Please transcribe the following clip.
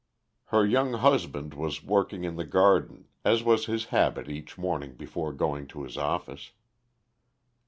Her young husband was working in the garden, as was his habit each morning before going to his office.